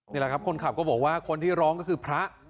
นี่แหละครับคนขับก็บอกว่าคนที่ร้องก็คือพระ